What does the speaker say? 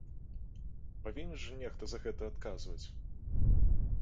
Павінен жа нехта за гэта адказваць!